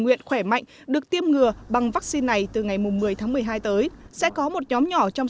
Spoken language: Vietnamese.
nguyện khỏe mạnh được tiêm ngừa bằng vaccine này từ ngày một mươi tháng một mươi hai tới sẽ có một nhóm nhỏ trong